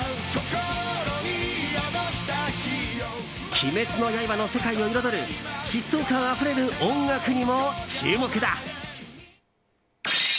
「鬼滅の刃」の世界を彩る疾走感あふれる音楽にも注目だ。